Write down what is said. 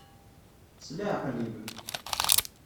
S leɛqel-im.